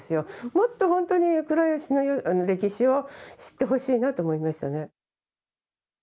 もっと本当に倉吉の歴史を知ってほしいなと思いました。